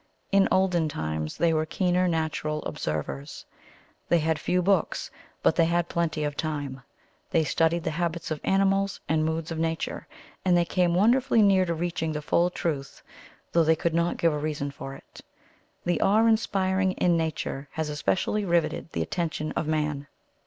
In olden times they were keener natural observers. They had few books, but they had plenty of time. They studied the habits of animals and moods of nature, and they came wonderfully near to reaching the full truth, though they could not give a reason for it. The awe inspiring in nature has especially riveted the attention of man.